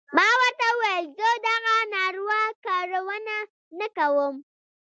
ما ورته وويل زه دغه ناروا کارونه نه کوم.